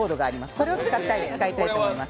これを使いたいと思います。